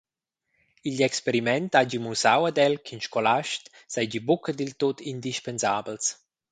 Igl experiment hagi mussau ad el ch’in scolast seigi buca diltut indispensabels.